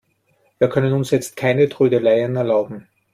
Wir können uns jetzt keine Trödeleien erlauben.